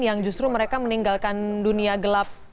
yang justru mereka meninggalkan dunia gelap